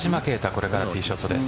これからティーショットです。